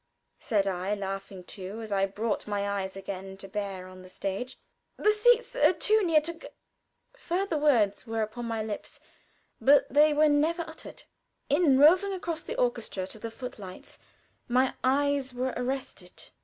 said I, laughing too, as I brought my eyes again to bear on the stage. "The seats are too near toge " Further words were upon my lips, but they were never uttered. In roving across the orchestra to the foot lights my eyes were arrested.